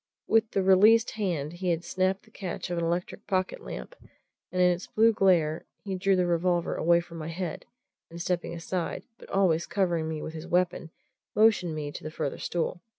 With the released hand he had snapped the catch of an electric pocket lamp, and in its blue glare he drew the revolver away from my head, and stepping aside, but always covering me with his weapon, motioned me to the further stool.